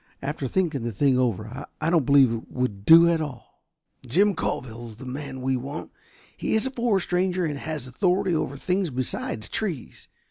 After thinking the thing over I don't believe it would do at all." "Jim Coville is the man we want. He is a forest ranger, and has authority over things besides trees.